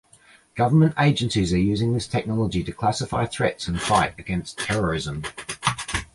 Government agencies are using this technology to classify threats and fight against terrorism.